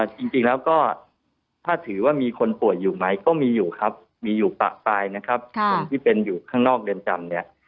จริงแล้วก็ถ้าถือว่ามีคนป่วยอยู่ไหมก็มีอยู่ครับมีอยู่ปะปลายนะครับคนที่เป็นอยู่ข้างนอกเรือนจำเนี่ย